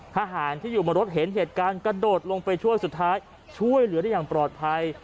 ทหารที่อยู่บนรถเห็นเหตุการณ์กระโดดลงไปช่วยสุดท้ายช่วยเหลือได้อย่างปลอดภัย